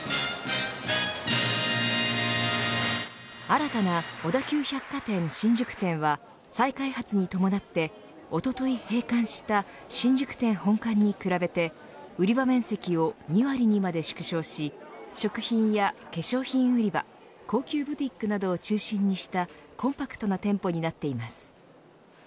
新たな小田急百貨店新宿店は再開発に伴っておととい閉館した新宿店本館に比べて売り場面積を２割にまで縮小し食品や化粧品売り場高級ブティックなどを中心にしたコンパクトな店舗になっています。